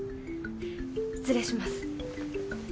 失礼します。